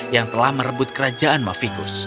yang telah merebut kerajaan mavikus